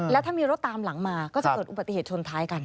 แล้วถ้ามีรถตามหลังมาก็จะเกิดอุบัติเหตุชนท้ายกัน